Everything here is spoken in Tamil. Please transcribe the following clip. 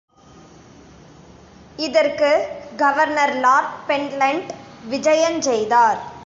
இதற்கு கவர்னர் லார்ட் பென்ட்லென்ட் விஜயஞ் செய்தார்.